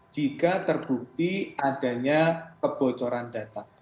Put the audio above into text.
jika terbukti adanya kebocoran data